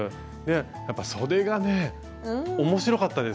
やっぱそでがね面白かったです。